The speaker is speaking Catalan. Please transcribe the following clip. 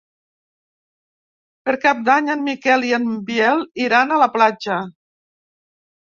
Per Cap d'Any en Miquel i en Biel iran a la platja.